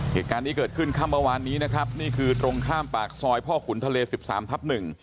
เหตุการณ์ที่เกิดขึ้นข้ามประวัตินี้นะครับนี่คือตรงข้ามปากซอยพ่อขุนทะเล๑๓ทับ๑